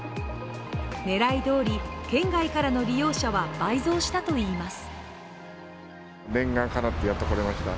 狙いどおり、県外からの利用者は倍増したといいます。